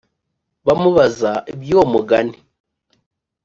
bamubaza iby uwo mugani